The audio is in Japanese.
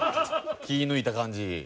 気ぃ抜いた感じ。